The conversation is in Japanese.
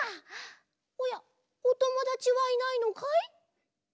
おやおともだちはいないのかい！？